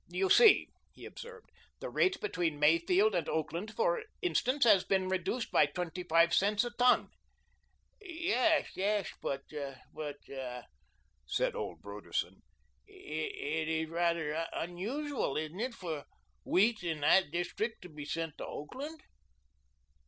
"You see," he observed, "the rate between Mayfield and Oakland, for instance, has been reduced by twenty five cents a ton." "Yes but but " said old Broderson, "it is rather unusual, isn't it, for wheat in that district to be sent to Oakland?"